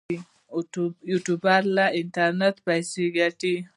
یوټیوبران له انټرنیټ پیسې ګټي